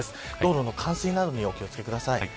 道路の冠水などにお気を付けください。